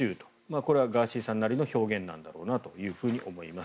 これはガーシーさんなりの表現なんだろうなと思います。